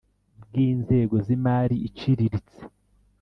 bw inzego z imari iciriritse